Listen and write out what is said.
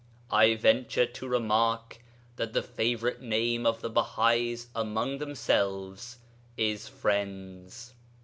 I venture to remark that the favourite name of the Bahais among themselves is 'Friends.'